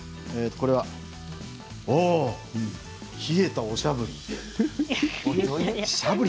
これは冷えた、おしゃぶり。